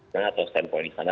karena atau standpoint di sana